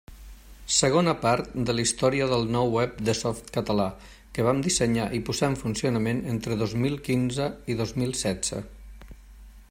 Segona part de la història del nou web de Softcatalà, que vam dissenyar i posar en funcionament entre dos mil quinze i dos mil setze.